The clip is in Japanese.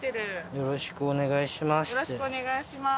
よろしくお願いします。